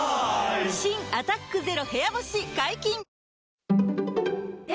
新「アタックＺＥＲＯ部屋干し」解禁‼